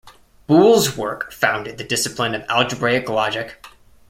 Boole's work founded the discipline of algebraic logic.